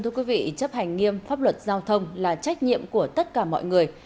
chấp hành nghiêm pháp luật giao thông là trách nhiệm của tất cả mọi người